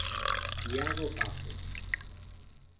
Iago Pazos.